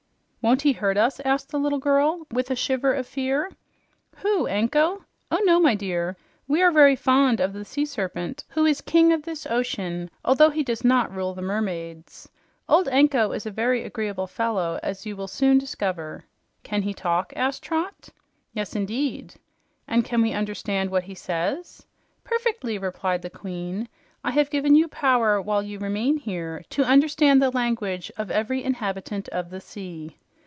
"Won't he hurt us?" asked the little girl with a shiver of fear. "Who, Anko? Oh no, my dear! We are very fond of the sea serpent, who is king of this ocean, although he does not rule the mermaids. Old Anko is a very agreeable fellow, as you will soon discover." "Can he talk?" asked Trot. "Yes indeed." "And can we understand what he says?" "Perfectly," replied the Queen. "I have given you power, while you remain here, to understand the language of every inhabitant of the sea."